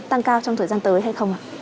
tăng cao trong thời gian tới hay không